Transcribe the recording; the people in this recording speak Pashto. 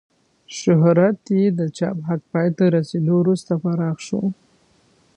شهرت یې د چاپ حق پای ته رسېدو وروسته پراخ شو.